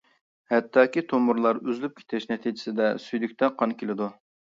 ھەتتاكى تومۇرلار ئۈزۈلۈپ كېتىش نەتىجىسىدە سۈيدۈكتە قان كېلىدۇ.